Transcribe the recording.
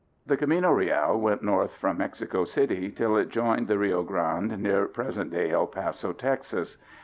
The Camino Real went north from Mexico City till it joined the Rio Grande near present day El Paso, Texas.